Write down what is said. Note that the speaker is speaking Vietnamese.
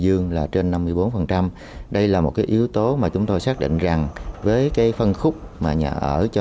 dương là trên năm mươi bốn đây là một cái yếu tố mà chúng tôi xác định rằng với cái phân khúc mà nhà ở cho